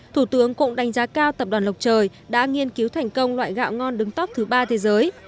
thủ tướng cũng đánh giá cao tập đoàn lộc trời đã nghiên cứu thành công loại gạo ngon đứng tóc thứ ba thế giới